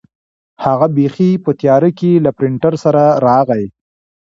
هغه بیخي په تیاره کې له پرنټر سره راغی.